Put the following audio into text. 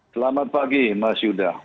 selamat pagi mas yuda